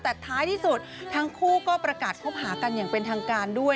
แต่ท้ายที่สุดทั้งคู่ก็ประกาศคบหากันอย่างเป็นทางการด้วย